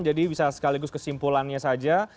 jadi bisa sekaligus kesimpulannya saja